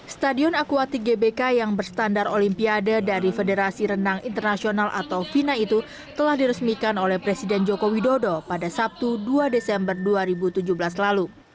stadion akuatik gbk yang berstandar olimpiade dari federasi renang internasional atau vina itu telah diresmikan oleh presiden joko widodo pada sabtu dua desember dua ribu tujuh belas lalu